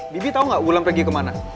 bibi tau gak wulan pergi kemana